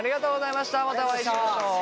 またお会いしましょう。